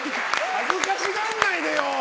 恥ずかしがらないでよ！